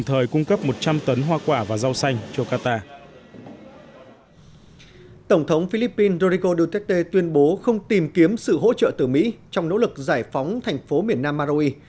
tổng thống philippines dorico duterte tuyên bố không tìm kiếm sự hỗ trợ từ mỹ trong nỗ lực giải phóng thành phố miền nam maraui